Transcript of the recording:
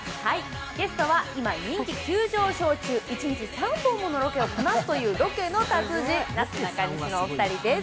ゲストは今、人気急上昇中、一日３本ものロケをこなすというロケの達人・なすなかにしのお二人です。